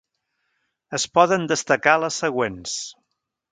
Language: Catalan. Es poden destacar les següents.